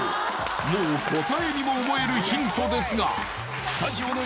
もう答えにも思えるヒントですがスタジオの